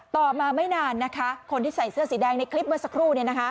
ต่อมาไม่นานนะคะคนที่ใส่เสื้อสีแดงในคลิปเมื่อสักครู่